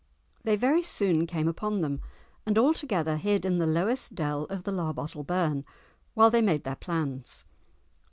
They very soon came upon them, and all together hid in the lowest dell of the Larbottle burn while they made their plans.